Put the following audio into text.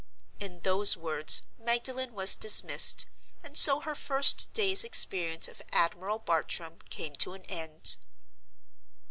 In those words Magdalen was dismissed; and so her first day's experience of Admiral Bartram came to an end.